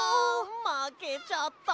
まけちゃった。